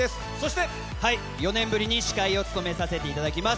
４年ぶりに司会を務めさせていただきます